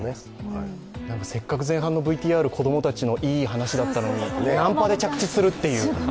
せっかく前半のＶＴＲ、子供たちのいい話だったのにナンパで着地するっていう。